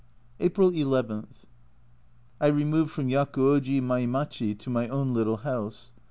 April II. I removed from Yakuojimaimachi to my own little house.